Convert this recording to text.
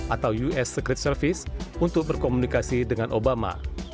atau us secret service untuk berkomunikasi dengan obama